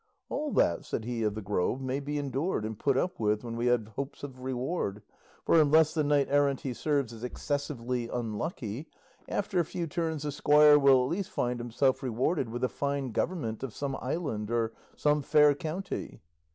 "All that," said he of the Grove, "may be endured and put up with when we have hopes of reward; for, unless the knight errant he serves is excessively unlucky, after a few turns the squire will at least find himself rewarded with a fine government of some island or some fair county."